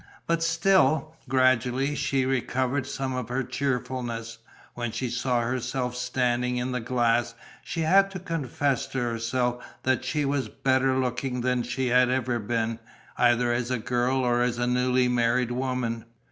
But still, gradually, she recovered some of her cheerfulness. When she saw herself standing in the glass, she had to confess to herself that she was better looking than she had ever been, either as a girl or as a newly married woman.